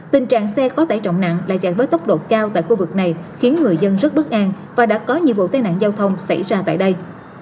tình trạng xe có tải trọng nặng lại chạy với tốc độ cao tại khu vực này khiến người dân rất bất an và đã có nhiều vụ tai nạn giao thông xảy ra tại đây